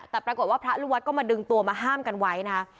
แต่ปรากฏว่าพระลูกวัดก็มาดึงตัวมาห้ามกันไว้นะคะ